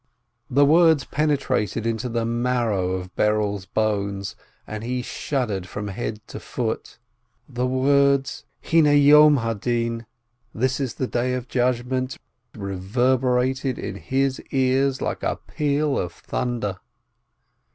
The words penetrated into the marrow of Berel's bones, and he shuddered from head to foot. The words, "This is the Day of Judgment," reverberated in his ears like a peal of thunder.